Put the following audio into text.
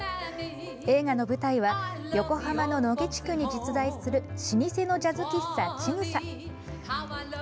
映画の舞台は横浜の野毛地区に実在する老舗のジャズ喫茶ちぐさ。